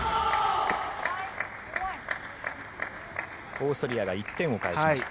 オーストリアが１点を返しました。